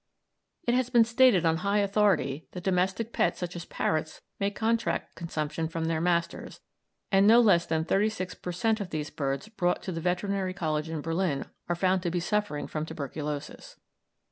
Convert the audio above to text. It has been stated on high authority that domestic pets such as parrots may contract consumption from their masters, and that no less than thirty six per cent. of these birds brought to the veterinary college in Berlin are found to be suffering from tuberculosis.